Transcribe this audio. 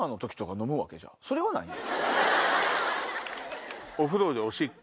それはないんか。